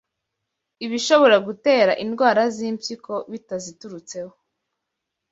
Ibishobora gutera indwara z’impyiko bitaziturutseho